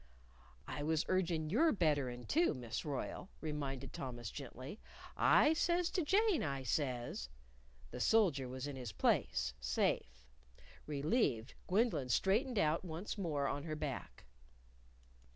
"I was urgin' your betterin', too, Miss Royle," reminded Thomas, gently. "I says to Jane, I says " The soldier was in his place, safe. Relieved, Gwendolyn straightened out once more on her back.